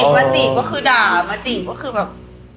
มาจริงว่าคือแบบ